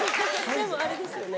でもあれですよね？